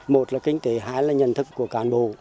một là kinh tế hai là nhận thức của cán bộ